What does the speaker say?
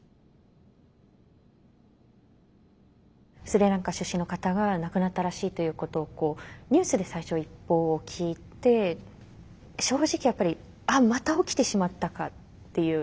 スリランカ出身の方が亡くなったらしいということをニュースで最初一報を聞いて正直やっぱり「あっまた起きてしまったか」っていう